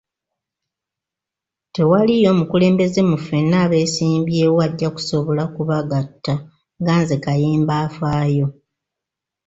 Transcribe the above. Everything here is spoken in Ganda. Tewaliiyo mukulembeze mu ffenna abeesimbyewo ajja kusobola ku bagatta nga nze Kayemba afaayo.